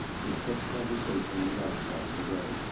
With such conversation, the night passed away.